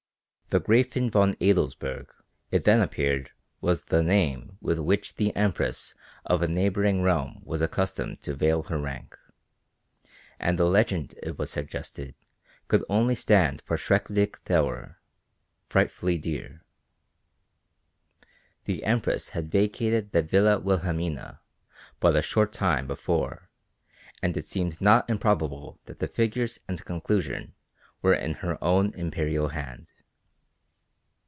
The Gräfin von Adelsburg it then appeared was the name with which the Empress of a neighboring realm was accustomed to veil her rank, and the legend it was suggested could only stand for schrechlich theuer, frightfully dear. The Empress had vacated the Villa Wilhelmina but a short time before and it seemed not improbable that the figures and conclusion were in her own imperial hand.